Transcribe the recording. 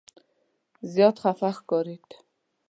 زیات خفه ښکارېد.